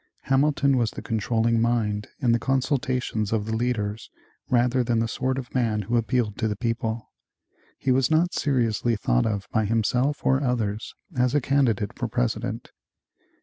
Hamilton was the controlling mind in the consultations of the leaders rather than the sort of man who appealed to the people. He was not seriously thought of by himself or others as a candidate for President.